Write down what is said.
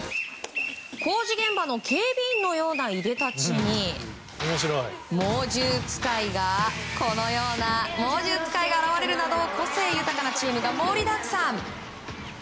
工事現場の警備員のようないでたちにこのような猛獣使いが現れるなど個性豊かなチームが盛りだくさん！